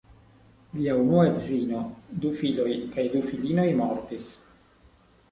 Lia unua edzino, du filoj kaj du filinoj mortis.